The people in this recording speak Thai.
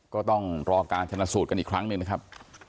ก็ต้องรอการชนะสูตรกันอีกครั้งหนึ่งนะครับ